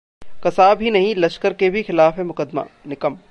कसाब ही नहीं, लश्कर के भी खिलाफ है मुकदमा: निकम